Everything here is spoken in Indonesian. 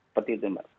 seperti itu mbak